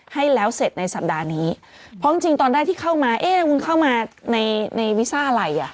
ให้แล้วเสร็จในสัปดาห์นี้เพราะจริงจริงตอนแรกที่เข้ามาเอ๊ะแล้วคุณเข้ามาในในวีซ่าอะไรอ่ะ